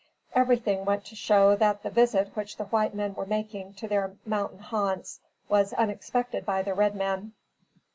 Everything went to show that the visit which the white men were making to their mountain haunts was unexpected by the red men.